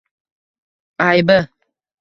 Aybi…